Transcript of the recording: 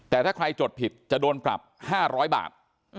แต่ถ้าใครจดผิดจะโดนปรับ๕๐๐บาท